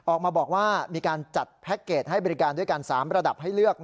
ออกมาบอกว่ามีการจัดแพ็คเกจให้บริการด้วยกัน๓ระดับให้เลือก